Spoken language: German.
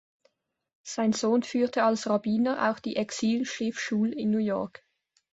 Sein Sohn führte als Rabbiner auch die „Exil“-Schiffschul in New York.